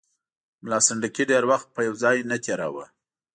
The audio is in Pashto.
ملا سنډکي ډېر وخت په یو ځای نه تېراوه.